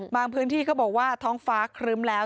พื้นที่เขาบอกว่าท้องฟ้าครึ้มแล้ว